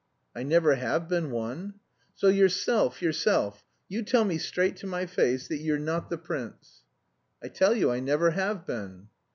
"I never have been one." "So yourself, yourself, you tell me straight to my face that you're not the prince?" "I tell you I never have been."